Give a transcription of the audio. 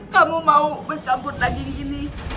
kamu mau mencampur daging ini